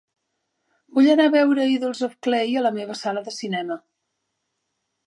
Vull anar a veure Idols of Clay a la meva sala de cinema.